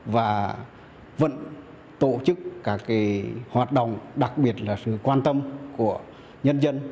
và vẫn tổ chức các hoạt động đặc biệt là sự quan tâm của nhân dân